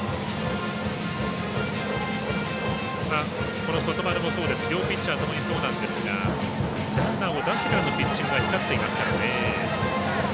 この外丸もそうですし両ピッチャーともにそうなんですがランナーを出してからのピッチングは光ってますからね。